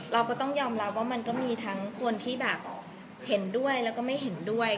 เราก็ต้องยอมรับว่ามันก็มีทั้งคนที่แบบเห็นด้วยแล้วก็ไม่เห็นด้วย